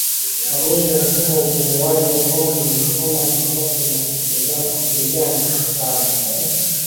Magonjwa ya mfumo wa upumuaji kwa ngombe ni homa ya mapafu na ndigana kali